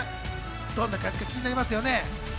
どんな感じか気になりますよね？